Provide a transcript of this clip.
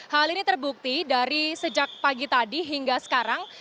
hal ini terbukti dari sejak pagi tadi hingga sekarang